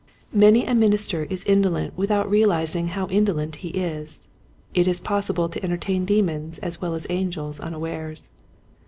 Many a minister is indolent without realizing how indolent he is. It is pos sible to entertain demons as well as angels unawares.